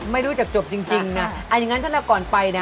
ไม่รู้จักจบจริงนะ